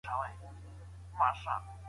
لښتې په خپل زړه کې د خدای شکر ادا کړ.